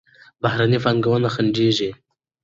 بهرني پانګونه خنډېږي.